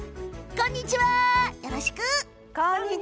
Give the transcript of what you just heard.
こんにちは！